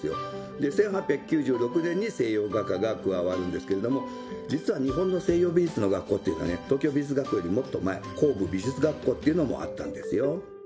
で１８９６年に西洋画科が加わるんですけれども実は日本の西洋美術の学校っていうのはね東京美術学校よりもっと前工部美術学校っていうのもあったんですよ。